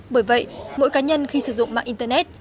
bởi vậy mỗi cá nhân khi sử dụng mạng internet